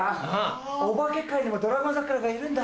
お化け界にもドラゴン桜がいるんだ。